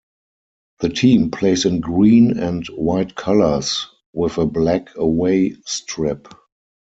The team plays in green and white colours, with a black away strip.